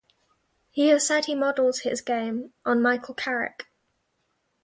He has said he models his game on Michael Carrick.